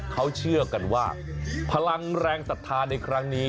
เขาเชื่อกันว่าพลังแรงศรัทธาในครั้งนี้